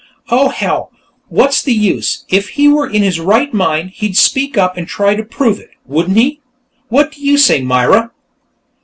Oh, hell, what's the use? If he were in his right mind, he'd speak up and try to prove it, wouldn't he? What do you say, Myra?"